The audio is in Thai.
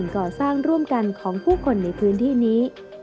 ก่อสร้างร่วมกันของผู้คนในพื้นที่นี้